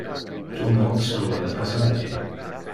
Tu me obstrue le passage.